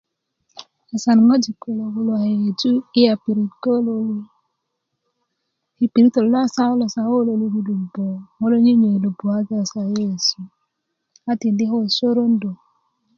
asan ŋojik kulo a yeyeju iya pirit ko kulu rurugö yi pirit lo wasaka kulo ko kulo rurugö ŋo nyenyei lo puwö kata yu sa ko kulo ye yesu a tindi ko yi sorondu